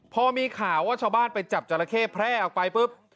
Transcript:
พอมีข่าวว่าชาวบ้านไปจับจราเข้แพร่ออกไปปุ๊บ